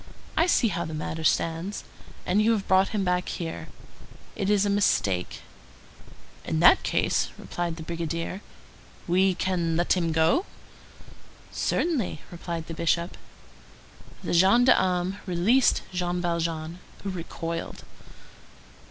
I see how the matter stands. And you have brought him back here? It is a mistake." "In that case," replied the brigadier, "we can let him go?" "Certainly," replied the Bishop. The gendarmes released Jean Valjean, who recoiled.